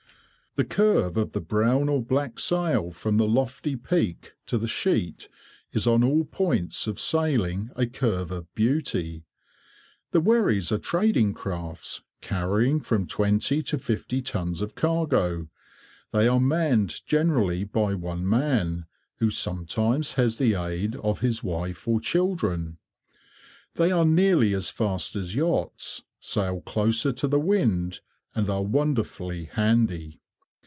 The curve of the brown or black sail from the lofty peak to the sheet is on all points of sailing a curve of beauty. The wherries are trading crafts carrying from twenty to fifty tons of cargo. They are manned generally by one man, who sometimes has the aid of his wife or children. They are nearly as fast as yachts, sail closer to the wind, and are wonderfully handy.